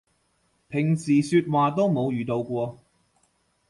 平時說話都冇遇到過